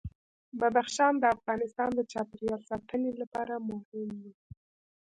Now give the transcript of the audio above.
بدخشان د افغانستان د چاپیریال ساتنې لپاره مهم دي.